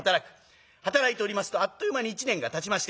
働いておりますとあっという間に一年がたちまして。